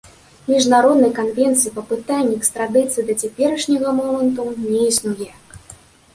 Міжнароднай канвенцыі па пытанні экстрадыцыі да цяперашняга моманту не існуе.